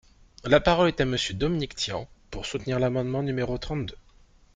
La parole est à Monsieur Dominique Tian, pour soutenir l’amendement numéro trente-deux.